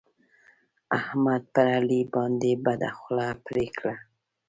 احمد پر علي باندې بده خوله پرې کړه.